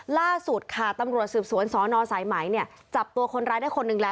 ล่าสุดค่ะตำรวจสืบสวนสนสายไหมเนี่ยจับตัวคนร้ายได้คนหนึ่งแล้ว